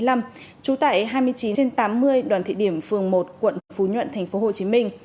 trú tại hai mươi chín trên tám mươi đoàn thị điểm phường một quận phú nhuận tp hcm